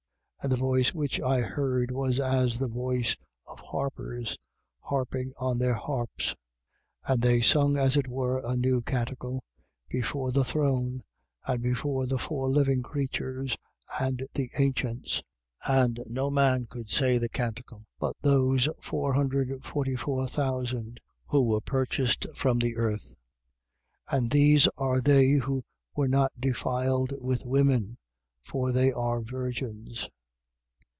And the voice which I heard was as the voice of harpers, harping on their harps. 14:3. And they sung as it were a new canticle, before the throne and before the four living creatures and the ancients: and no man could say the canticle, but those hundred forty four thousand who were purchased from the earth. 14:4. These are they who were not defiled with women: for they are virgins.